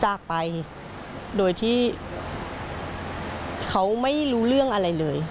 จากไปโดยที่เขาไม่รู้เรื่องอะไรเลย